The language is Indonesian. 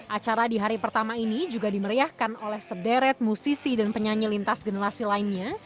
acara di hari pertama ini juga dimeriahkan oleh sederet musisi dan penyanyi lintas generasi lainnya